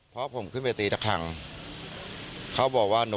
เพราะผมขึ้นไปตีตะคังเขาบอกว่าหนู